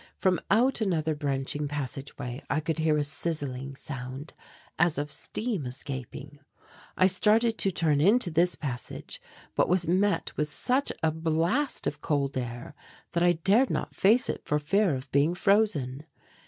From out another branching passage way I could hear a sizzling sound as of steam escaping. I started to turn into this passage but was met with such a blast of cold air that I dared not face it for fear of being frozen.